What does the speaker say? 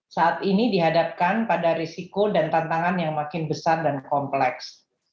saat ini dihadapkan pada risiko dan tantangan yang makin besar dan kompleks